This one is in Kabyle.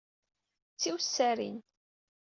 D tiwessarin.